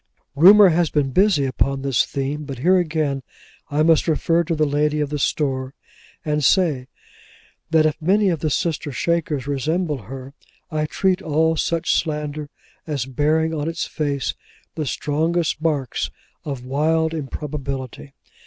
Rumour has been busy upon this theme, but here again I must refer to the lady of the store, and say, that if many of the sister Shakers resemble her, I treat all such slander as bearing on its face the strongest marks of wild improbability.